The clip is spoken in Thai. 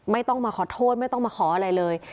ไม่ต้องมาขอโทษไม่ต้องมาขออะไรเลย